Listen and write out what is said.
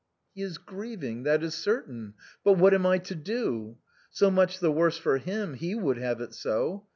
" He is grieving, that is certain, but what am I to do? So much the worse for him, he would have it so.